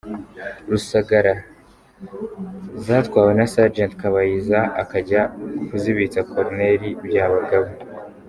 Rusagara, zatwawe na Sgt Kabayiza akajya kuzibitsa Col Byabagamba.